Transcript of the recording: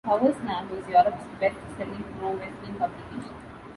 "Power Slam" was Europe's best-selling pro wrestling publication.